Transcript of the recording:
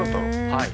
はい。